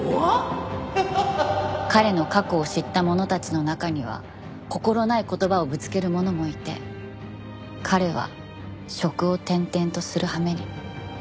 彼の過去を知った者たちの中には心ない言葉をぶつける者もいて彼は職を転々とする羽目に。